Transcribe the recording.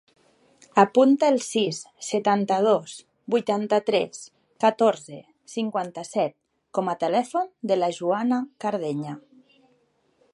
Apunta el sis, setanta-dos, vuitanta-tres, catorze, cinquanta-set com a telèfon de la Joana Cardeña.